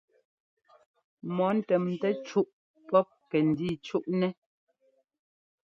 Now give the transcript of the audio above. Mɔ ntɛmtɛ́ cúʼ pɔp kɛ́ndíi cúʼnɛ́.